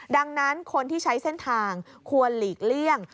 ดังนั้นคนที่ใช้เส้นทางควรหลีกเลี่ยง